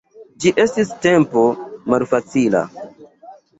Ĝi estis tempo malfacila.